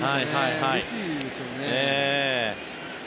うれしいですよね。